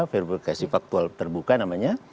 verifikasi faktual terbuka namanya